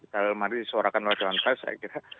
dalam arti disuarakan oleh dewan pers saya kira